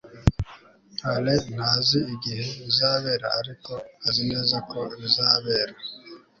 alain ntazi igihe bizabera, ariko azi neza ko bizabera